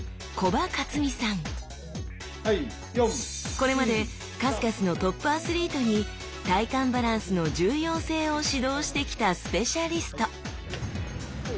これまで数々のトップアスリートに体幹バランスの重要性を指導してきたスペシャリスト！